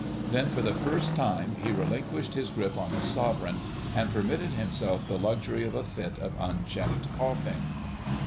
Then for the first time he relinquished his grip on his sovereign, and permitted himself the luxury of a fit of unchecked coughing.